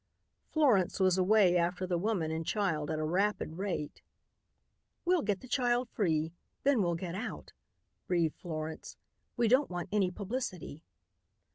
Florence was away after the woman and child at a rapid rate. "We'll get the child free. Then we'll get out," breathed Florence. "We don't want any publicity."